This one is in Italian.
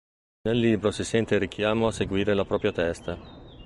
Nel libro si sente il richiamo a seguire la propria testa.